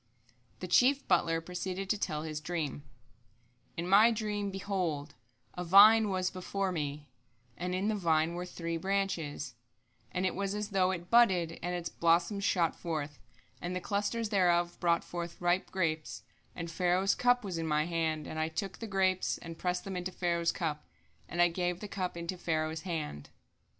The chief butler proceeded to tell his dream: "In my dream, behold, a vine was before me; and in the vine were three branches; and it was as though it budded, and its blossoms shot forth, and the clusters thereof brought forth ripe grapes; and Pharaoh's cup was in my hand; and I took the grapes, and pressed them into Pharaoh's cup, and I gave the cup into Pharaoh's hand."